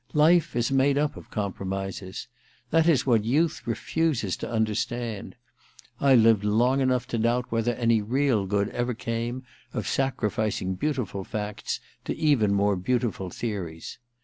Life is made up of compromises : that is what youth refuses to understand. I've lived long enough to doubt whether any real good ever came of sacrificing beautiful facts to even more beautiful theories.